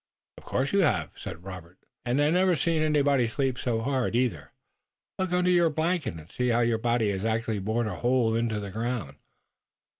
"Of course you have," replied Robert, "and I've never seen anybody sleep so hard, either. Look under your blanket and see how your body has actually bored a hole into the ground."